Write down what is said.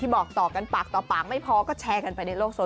บอกต่อกันปากต่อปากไม่พอก็แชร์กันไปในโลกโซ